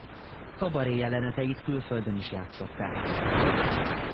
Kabaréjeleneteit külföldön is játszották.